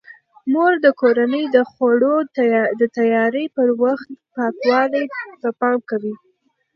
مور د کورنۍ د خوړو د تیاري په وخت پاکوالي ته پام کوي.